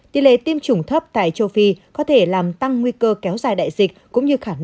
tỷ lệ tiêm chủng thấp tại châu phi có thể làm tăng nguy cơ kéo dài đại dịch